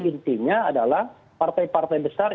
intinya adalah partai partai besar